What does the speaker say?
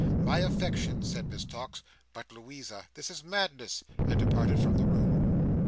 My affections," said Miss Tox—"but, Louisa, this is madness!" and departed from the room.